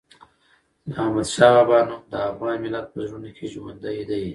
د احمدشاه بابا نوم د افغان ملت په زړونو کې ژوندي دی.